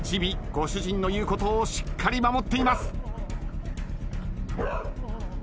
ご主人の言うことをしっかり守っています。